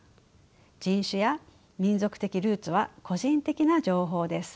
人種や民族的ルーツは個人的な情報です。